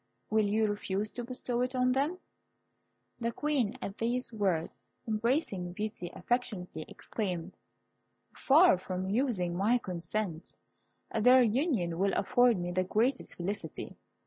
Will you refuse to bestow it on them?" The Queen, at these words, embracing Beauty affectionately, exclaimed, "Far from refusing my consent, their union will afford me the greatest felicity!